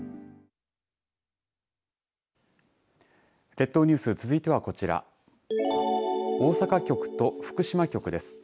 列島ニュース続いてはこちら大阪局と福島局です。